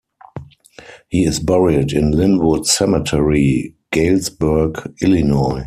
He is buried in Linwood Cemetery, Galesburg, Illinois.